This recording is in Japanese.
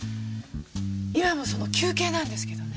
今もその休憩なんですけどね。